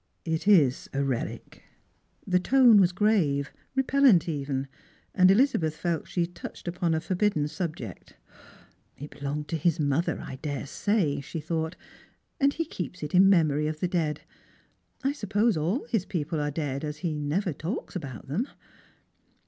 " It is a reUc." The tone was grave, repellant even, and Elizabeth felt she had touched upon a forbidden subject. " It belonged to his mother, I daresay," she thought ;" and ne keeps it m memory of the dead. I suppose all his people are dead, as he never talks about them."